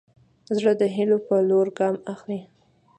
زړه د هيلو په لور ګام اخلي.